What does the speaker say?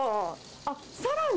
あっ、さらに？